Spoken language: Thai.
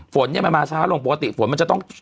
ฝนเนี่ยมันมาช้าลงปกติฝนมันจะต้อง